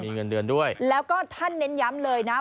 มีเงินเดือนด้วยแล้วก็ท่านเน้นย้ำเลยนะ